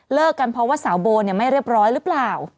กันเพราะว่าสาวโบไม่เรียบร้อยหรือเปล่า